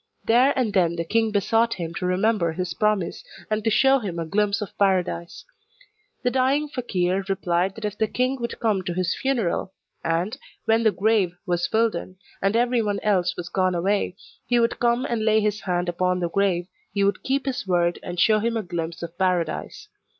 There and then the king besought him to remember his promise, and to show him a glimpse of Paradise. The dying fakeer replied that if the king would come to his funeral, and, when the grave was filled in, and everyone else was gone away, he would come and lay his hand upon the grave, he would keep his word, and show him a glimpse of Paradise.